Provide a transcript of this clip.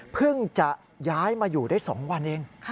เพิ่งจะย้ายมาอยู่ได้๒วันเอง